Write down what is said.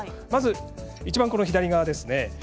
まず一番左側ですね。